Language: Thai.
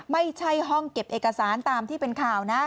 ไม่ใช่ห้องเก็บเอกสารตามที่เป็นข่าวนะ